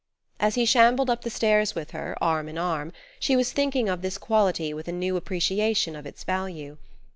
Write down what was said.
As he shambled up the stairs with her, arm in arm, she was thinking of this quality with a new appreciation of its value.